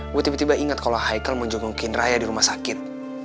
gue tiba tiba ingat kalo haikal mau jengukin raya di rumah sakit